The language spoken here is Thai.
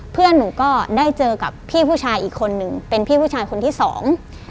เพื่อนหนูก็ได้เจอกับพี่ผู้ชายอีกคนหนึ่งเป็นพี่ผู้ชายคนที่สอง